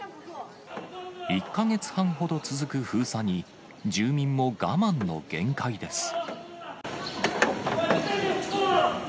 １か月半ほど続く封鎖に、住民も我慢の限界です。